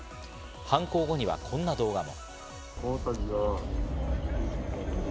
犯行後にはこんな動画も。